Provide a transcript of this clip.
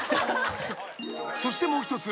［そしてもう一つ。